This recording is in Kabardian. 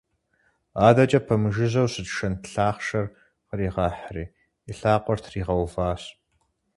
Адэкӏэ пэмыжыжьэу щыт шэнт лъахъшэр къригъэхьри и лъакъуэр тригъэуващ.